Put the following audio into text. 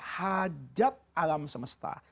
hajat alam semesta